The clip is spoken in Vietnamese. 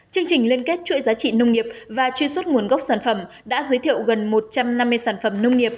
chương trình liên kết chuỗi giá trị nông nghiệp và truy xuất nguồn gốc sản phẩm đã giới thiệu gần một trăm năm mươi sản phẩm nông nghiệp